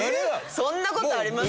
そんな事あります？